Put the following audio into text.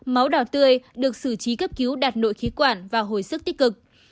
máu đào tươi được xử trí cấp cứu đạt nội khí quản và hồi sức tích cực